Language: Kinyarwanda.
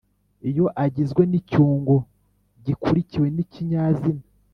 iyo agizwe n’icyungo gikurikiwe n’ikinyazina.